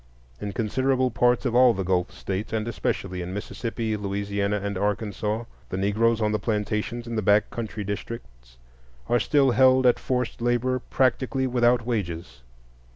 In considerable parts of all the Gulf States, and especially in Mississippi, Louisiana, and Arkansas, the Negroes on the plantations in the back country districts are still held at forced labor practically without wages.